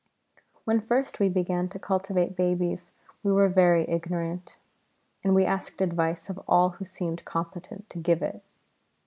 When first we began to cultivate babies we were very ignorant, and we asked advice of all who seemed competent to give it.